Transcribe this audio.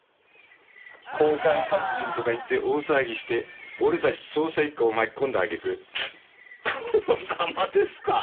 交換殺人とか言って大騒ぎして俺たち捜査一課を巻き込んだ揚げ句このザマですか？